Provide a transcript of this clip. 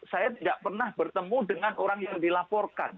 saya tidak pernah bertemu dengan orang yang dilaporkan